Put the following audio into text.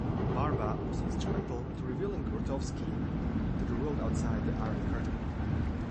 Barba was instrumental in revealing Grotowski to the world outside the iron curtain.